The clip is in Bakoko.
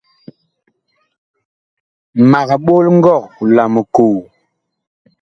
Mag ɓol ngɔg la mikoo.